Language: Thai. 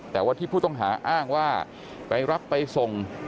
แต่ว่าที่ผู้ต้องหาอ้างว่าไปรับไปส่ง